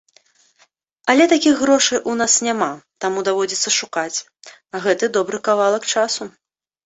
Але такіх грошай у нас няма, таму даводзіцца шукаць, а гэты добры кавалак часу.